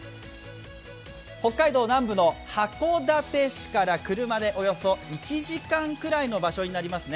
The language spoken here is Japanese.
北海道南部の函館市から車で、およそ１時間くらいの場所になります。